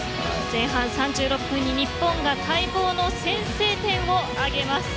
前半３６分に日本が待望の先制点を挙げます。